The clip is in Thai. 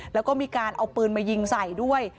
แล้วก็มีการเอาปืนมายิงใส่ด้วย